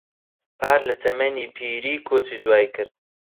پار لە تەمەنی پیری کۆچی دوایی کرد.